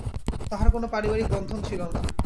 তাঁহার কোন পারিবারিক বন্ধন ছিল না।